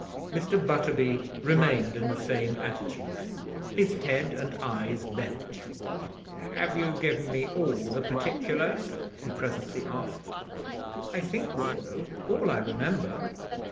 Mr. Butterby remained in the same attitude, his head and eyes bent. "Have you given me all the particulars?" he presently asked. "I think so. All I remember."